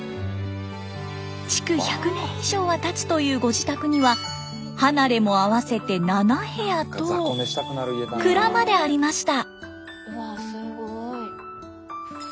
築１００年以上はたつというご自宅には離れも合わせて７部屋と蔵までありました。